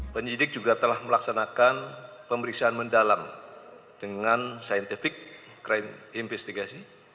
penyidik juga telah melaksanakan pemeriksaan mendalam dengan scientific crime investigation